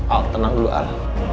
al tenang dulu al